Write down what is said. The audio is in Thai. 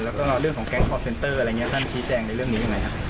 แล้วก็เรื่องของแก๊งคอร์เซ็นเตอร์อะไรอย่างนี้ท่านชี้แจงในเรื่องนี้ยังไงครับ